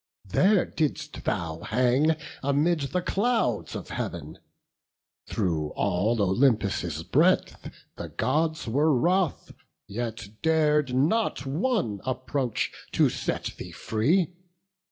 There didst thou hang amid the clouds of Heav'n; Through all Olympus' breadth the Gods were wroth; Yet dar'd not one approach to set thee free.